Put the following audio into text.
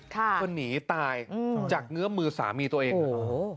คนหนีตายอืมจากเงื้อมือสามีตัวเองโอ้โห